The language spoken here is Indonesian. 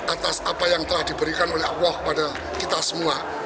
atas apa yang telah diberikan oleh allah kepada kita semua